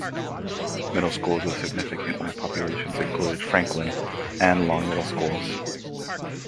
Middle schools with significant White populations included Franklin, and Long middle schools.